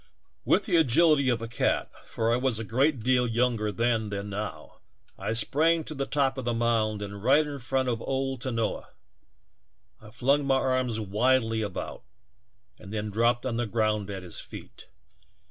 "With the agility of a cat — for I was a great deal younger then than now — I sprang to the top CAPTURED BY CANNIBALS. 59 of the mound and right in front of old Tanoa. I flung my arms wildly about and then dropped on the ground at his feet.